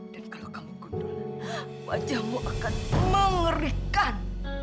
dan kalau kamu gundul wajahmu akan mengerikan